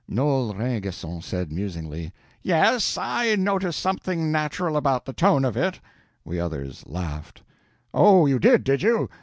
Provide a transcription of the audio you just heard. Noel Rainguesson said, musingly: "Yes, I noticed something natural about the tone of it." We others laughed. "Oh, you did, did you?